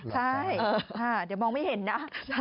ใช่เดี๋ยวมองไม่เห็นนะ